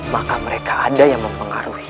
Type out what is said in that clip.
maka mereka ada yang mempengaruhi